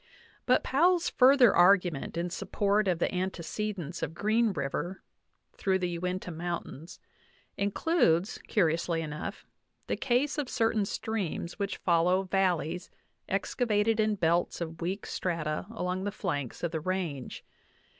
But Powell's further argument in support of the antece dence of Green River through the Uinta Mountains includes, curiously enough, the case of certain streams which follow val leys excavated in belts of weak strata along the flanks of the range.